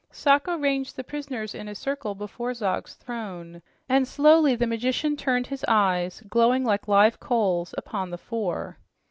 Sacho ranged the prisoners in a circle before Zog's throne, and slowly the magician turned his eyes, glowing like live coals, upon the four.